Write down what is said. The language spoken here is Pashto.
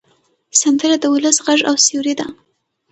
سندره د ولس غږ او سیوری ده